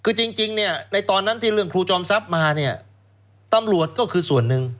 คือจริงเนี่ยในตอนนั้นที่เรื่องครูจอมทรัพย์มาเนี่ยตำรวจก็คือส่วนหนึ่ง